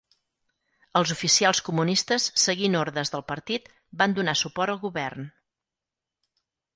Els oficials comunistes seguint ordes del partit van donar suport al govern.